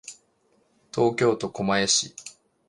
東京都狛江市